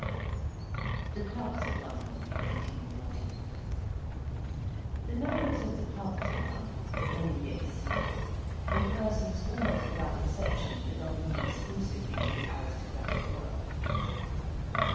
THE CLUBS OF LONDON IN 1814 The members of the clubs in London, many years since, were persons, almost without exception, belonging exclusively to the aristocratic world.